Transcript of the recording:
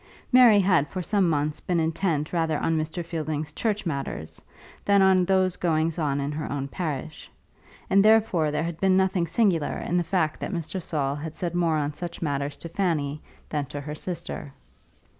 Mary had for some months been intent rather on Mr. Fielding's church matters than on those going on in her own parish, and therefore there had been nothing singular in the fact that Mr. Saul had said more on such matters to Fanny than to her sister.